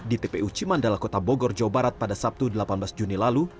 di tpu cimandala kota bogor jawa barat pada sabtu delapan belas juni lalu